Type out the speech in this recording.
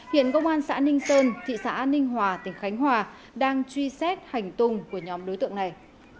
hiện công an xã ninh sơn thị xã ninh hòa tỉnh khánh hòa đang truy xét hành tùng của nhóm đối tượng này